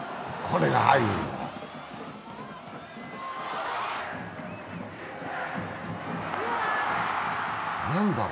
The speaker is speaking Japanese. これが入るんだ。